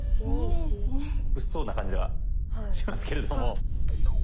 物騒な感じがしますけれども。